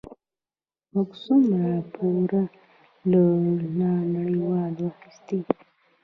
موږ څومره پور له نړیوالو اخیستی؟